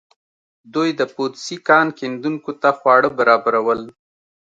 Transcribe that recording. دوی د پوتسي کان کیندونکو ته خواړه برابرول.